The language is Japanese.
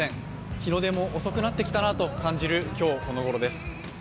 日の出も遅くなってきたなと感じる今日このごろです。